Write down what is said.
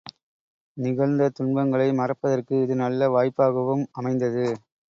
நிகழ்ந்த துன்பங்களை மறப்பதற்கு இது நல்ல வாய்ப்பாகவும் அமைந்தது.